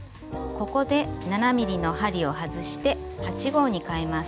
ここで７ｍｍの針を外して８／０号にかえます。